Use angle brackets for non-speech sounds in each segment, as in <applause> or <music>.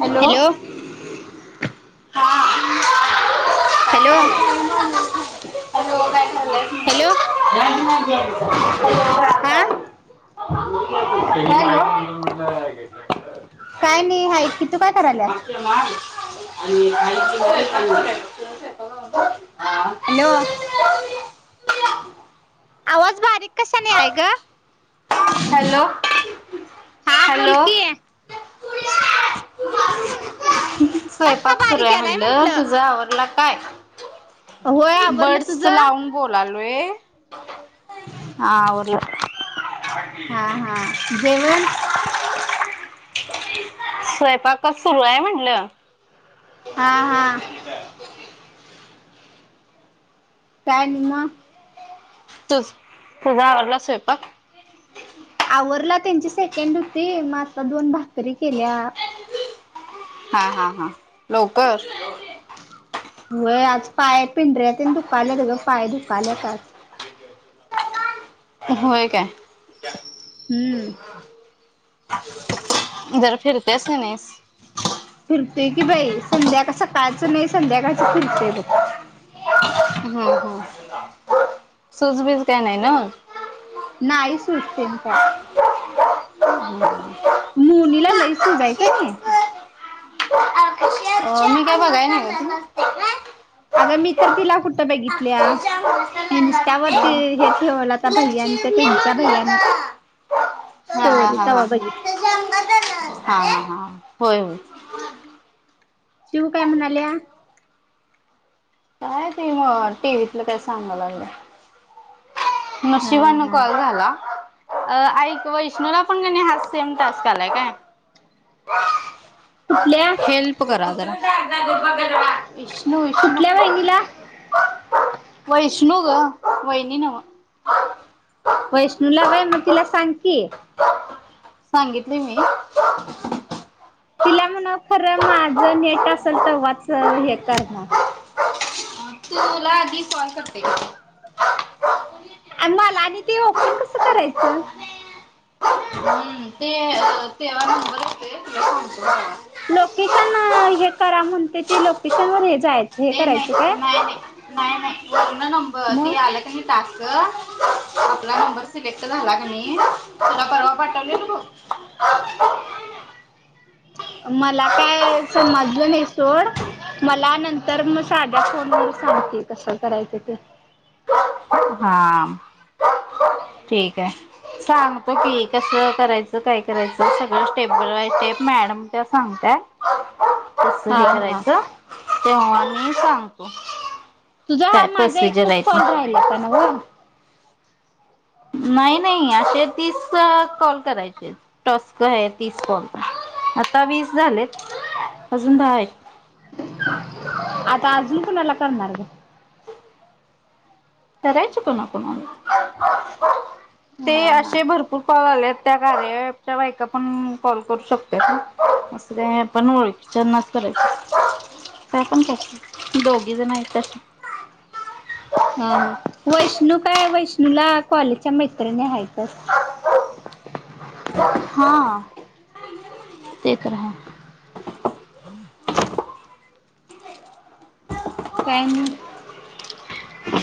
Hello <inaudible> hello hello hello <inaudible> आ <inaudible> काय नाही हाय की तू काय करायल्यास <inaudible> <inaudible> हॅलो आवाज बारीक कशान <unintelligible> ग हॅलो हा बोल हॅलो की आवाज का स्वयंपाक सुरू बारीक आहे यालाय म्हणलं म्हंटलं तुझ आवरल काय होय आवरलं बर्डस तुझं लावून बोलालोय हा आवरलं हा हा जेवण. स्वयंपाकच सुरू आहे म्हंटलं हा हा <inaudible> काय आणि म तुझ तुझा आवरला स्वयपाक आवरला त्यांची सेकंड होती म आता दोन भाकरी केल्या. हा हा हा लवकर व्हय आज पाय पिंढऱ्या तेन दुखाल्यात ग पाय दुखालेत आज होय काय हम्म जरा फिरत्यास का नाईस. फिरतोय की बाई संध्याकाळ सकाळचं नाही संध्याकाळच फिरतोय बघ. हम्म हम्म सूज बीज काही नाही ना नाही सूज तेन काय <inaudible> मोनी ला लई सूज हाय कणी अ मी काय बघाय नाय ओ अगं मी तर तिला कुठं बघितल्या अक्षरशः अंगाला लागते इन्स्टावरती हे ठेवलं ता लक्ष भैयान त्या मी त्यांच्या म्हटलं भैय्यान का हा हा हा बघितली हा हा हा होय होय शिवू काय म्हणाल्या काय ते म टीव्हीतलं काय सांगा लागल्या. हा नशिबां न हा कॉल झाला अं आईक वैष्णवी ला पण कणी हा सेम टास्क आलाय काय कुठल्या हेल्प करा ओ जरा <inaudible> विष्णु विष्णु कुठल्या वहिनीला वैष्णु ग वहिणी नव्ह वैष्णू ला वय म तिला सांग की. सांगितली मी तिला म्हण खरं माझं नेट असेल तेव्हाच हे करणार तूला आधी कॉल करते आणि मला आणि ते ओपन कसं करायचं हम्म ते अ तेव्हा नंबर येतोय तुला सांगतो तेव्हा लोकेशन हे करा म्हणते ते लोकेशन वर हे जायचं हे ते नाही करायचं काय नाही नाही नाही नाही ना नब मग ते आलं का टाक आपला नंबर सिलेक्ट झाला का नाही तुला परवा पाठवलेला बघ ह <unintelligible> मला काय समजल नाही सोड मला नंत तर मग साध्या फोनवर सांगते कसं करायचं ते हा ठीक आहे सांग होकी कसं करायचं काय करायचं सगळं स्टेप बाय स्टेप मॅडम त्या सांगतय कस हा हे हा करायचं तेव्हा मी सांगतो तुझा हा काय माझा प्रोसिजर एकच आहे ती कॉल राहिलाता न व नाही नाही असे तीस कॉल करायचे टस्क आहे तीस कॉलचा आता वीस झालेत अजून दहा आहे. आता अजून कुणाला करणार ग करायच कोणा कोणाला हा ते हा असे भरपूर कॉल आले त्या बायका पण कॉल करू शकते असं काही नाही पण ओळखीच्यांनाच करायच का पण कस दोघी जण आहेत कस हा हा वैष्णू काय वैष्णूला कॉलेजच्या मैत्रिणी आहेत हा ते तर आहे काय नि अ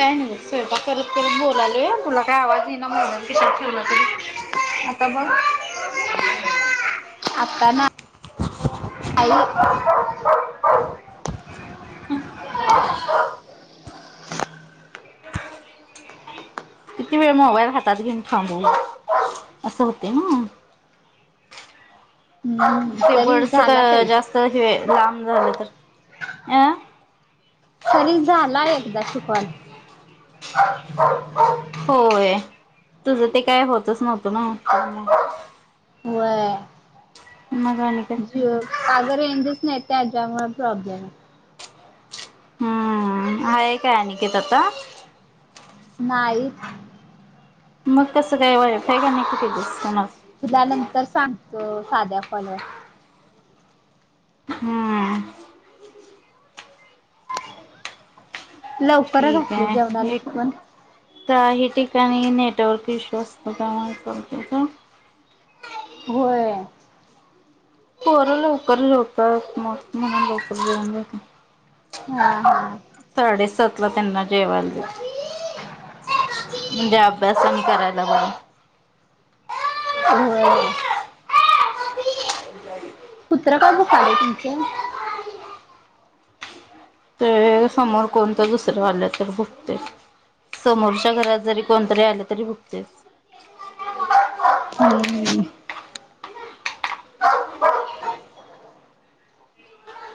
काय नाही स्वयंपाक करत करत बोलाले तुला काय आवाज ये ना म्हणून खिशात ठेवलं. आता बघ आता ना काई <unintelligible> <unintelligible> किती वेळ मोबाईल हातात घेऊन थांबू असं होते ना हम्म हम्म ते तरी बडच का झाला ताई जास्त लांब झालं तर अ तरी झाला एकदाशि कॉल होय तुझं ते काय होतच नव्हतं ना तर म व म मग <unintelligible> काग रेंजच नाही त्याच्यामुळे प्रॉब्लेम हम्म आहे काय अनिकेत आता नाही मग कसं काय वाय का कुठ दिस ना <unintelligible> तुला नंतर सांगतो साध्या कॉलवर हम् लवकर ठीक घातले आहे एक जेवणाला पण काही ठिकाणी नेटवर्क इश्यू असतो का होय होर लवकरच होता म्हणून लवकर जाऊन <unintelligible> हा हा साडेसात ला त्यांना जेवायला देते म्हणजे अभ्यासने करायला बघं <unintelligible> होय. कुत्र काय बुक आलेय तुमचे. ते समोर कोणत दुसऱ्यावाल्या तर भुकते. समोरच्या घरात जरी कोणतरी आले तरी भुकतंय हम्म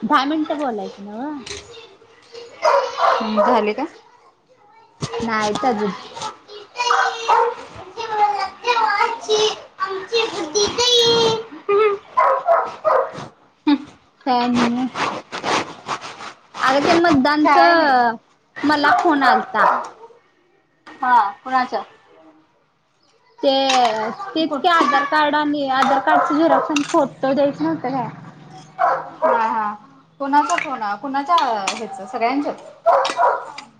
दहा मिनिटं बोलायचं ना व झाले का नायतच. आ ह मग अग ते म. दांच काय नाही मला फोन आलता. हा कुणाच. ते तेच कोण का आधार कार्ड आणि आधार कार्डच झेरक्स आणि फोटो द्यायच नव्हत का? हा हा कणाचा फोन कुणाच्या ह्याच सगळ्यांच्या.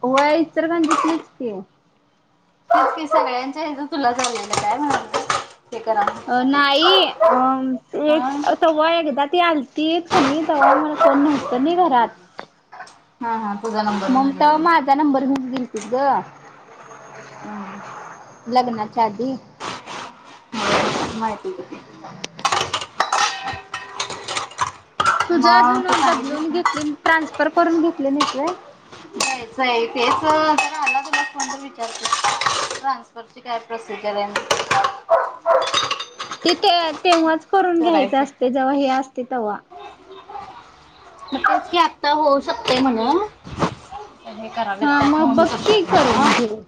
हो इ तरर पण जितलच की सगळ्यांच्या ह तुला झालेलं काय म्हणून ते करा अ नाही अ हा एक तवा्हा एकदा ती आलती का नाही तवा्हा मला कोण नव्हती. कमी घरात. हा हा पूझा नंबर गेले. जनाम बर म ब त ग. हम्म लग्णार डी. माहिती आहे कती. तुझं अजून बदलून घेतले ट्रान्सफर करून घेतले नसर. जायचय तेच तर आला तुला फोन तर विचारत ट्रान्सफर. शिकयत प्रोसिजरन. ते ते तेव्हाच करून घ्यायचं करायचं असते जेव्हा हे असते तेव्हा. नच की आता होऊ शकतेय म्हणून. करा हा मग वत्यात्म बघ कर की शकत करून घे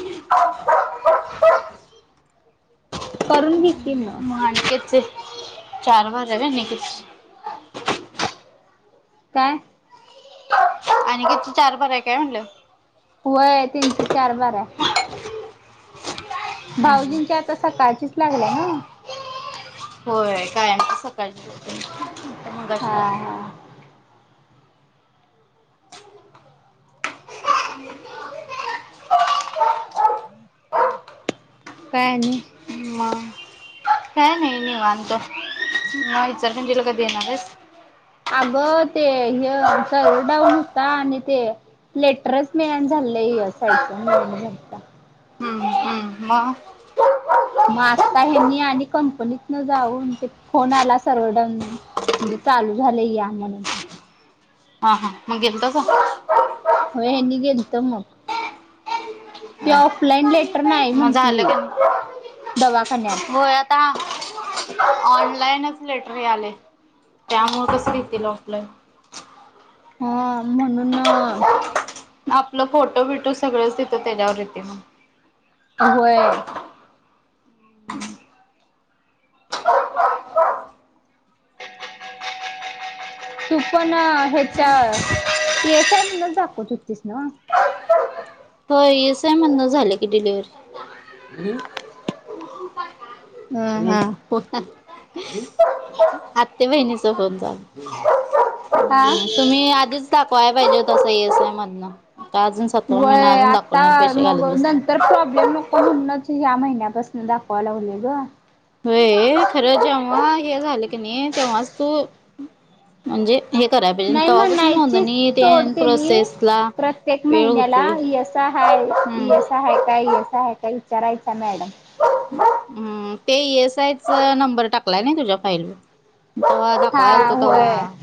<inaudible> करून घेततील मग. मा निकचे चार बजार रवे नि क. काय आणि कि त चार बर आहे काय म्हटलं. व तीनची चार बारा. भाऊजींची आता सकाळचीच लागल्या ना होय कायमच सकाळ मग हा अशा. हा <inaudible> काय नाही. मग काय नाही नाही वानतो म विचार तिला कधी येणारस. अगं ते हन सर्वर डाऊन हो. आणि ते लेटरच मिळन झालं असायचं मिळण झाता. ह ह मग आता हेनी आणि कंपनीत न जाऊन ते फोन आला सर्व डाऊन म्हणजे चालू झालं या म्हणून. हा हा मग गेल तच व हनी गेली तर मग. ती का ऑफलाईन लेटर नाही मग झालं म्हटली का दवाखान्यात. त्ताां. ऑनलाईनच लेटरी आले त्यामु कस घतील ऑफलाईन. हा म्हणून आपलं फोटो बिटो सगळंच देतं त्याच्यावर येते मग. अ होय तू पण ह्याच्या एसय म्हणच दाखव चुतीस ना. हो येस आहे म्हण झालं की डिलव्ह. हम्म <inaudible> हम्म आत्यबाहिनीचा फोन होता. आ हम्म तुम्ही आधीच दाखवाय पाहिजे तसा येसाय मधुन तसा अजून सातवा महिना व्हय अजून आता दाखवला नाही पैसे मग घालत बस नंतर प्रॉब्लेम नको म्हणूनच ह्या महिन्यापासून दाखवाव लागले ग, होय खरं जेव्हा हे झालं की नाही तेव्हाच तू म्हणजे, हे करायला पाहिजे नाही तेव्हा पासुन म्हणायची नोंदणी ते सोड तेनी प्रोसेस ला वेळ होतोय. काय आहे, काय ये हम्म येसाय आहे का, येसाय आहे का काय विचारायचा मॅडम, हम्म ते येसाय चा नंबर टाकलाय नाही तुझ्या फाईलवर, तेव्हा दाखवायला आलो हा होतो होय तेव्हा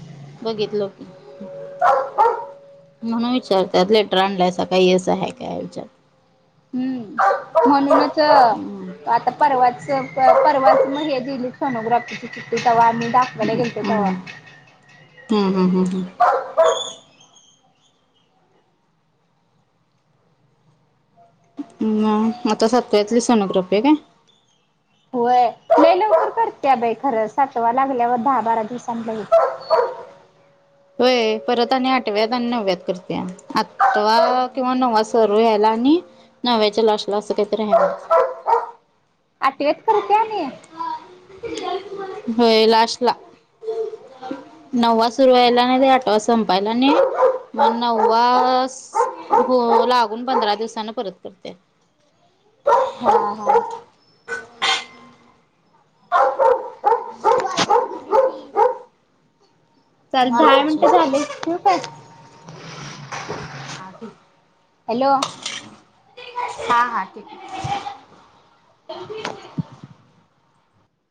बघितलं होते. म्हणून विचारतत लेटर आणलय का येसाय काही असं आहे काय विचारत. हम्म म्हणूनच हम्म आता परवाच परवाच मग हे दिली, सोनोग्राफी केली होती, तेव्हा आम्ही दाखवली होती. हम् हम्म हम्म हम् हम्म हम्, हम्म, आता सातव्यातील सोनोग्राफी आहे का? होय लय लवकर करते बाई खरं सातवा लागल्यावर दहा बारा दिवसांने लगेच, होय परत आणि आठव्यात आणि नव्यात करत्या आठवा किंवा नववा सरू यायला आणि नवव्याचा लास्ट ला असे काहीतरी आहे म्हणत्यात, आठव्यात करत्या आणि, व्हय लास्ट ला, नववा सुरू व्हायला आणि ते आठवा संपायला आणि मग नववा हो लागून पंधरा दिवसाांना परत करत्या, हा हा, <inaudible> चाल दहा मार्च मिनटं झाले, ठेवू का? हा हॅलो, हा हा ठीक आहे.